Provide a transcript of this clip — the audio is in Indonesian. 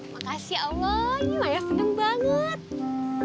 makasih allah ini maya seneng banget